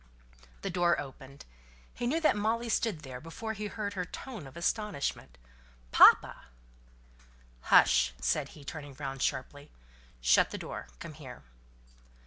The door opened. He knew that Molly stood there before he heard her tone of astonishment. "Papa!" "Hush!" said he, turning round sharply. "Shut the door. Come here."